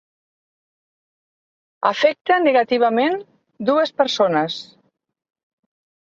Afecta negativament dues persones.